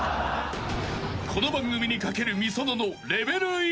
［この番組に懸けるｍｉｓｏｎｏの］